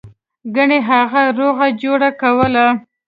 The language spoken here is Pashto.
ګنې هغه روغه جوړه کوله.